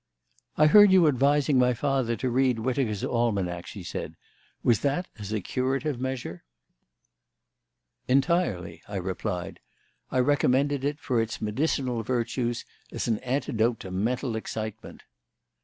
"I heard you advising my father to read Whitaker's Almanack," she said. "Was that as a curative measure?" "Entirely," I replied. "I recommended it for its medicinal virtues, as an antidote to mental excitement."